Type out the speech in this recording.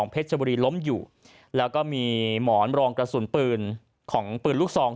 เพชรบุรีล้มอยู่แล้วก็มีหมอนรองกระสุนปืนของปืนลูกซอง